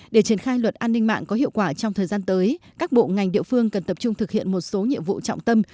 để triển khai luật an ninh mạng có hiệu quả trong thời gian tới các bộ ngành địa phương cần tập trung thực hiện một số nhiệm vụ trọng tâm